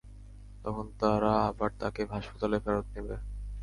তখন তারা আবার তাকে হাসপাতালে ফেরত নিবে।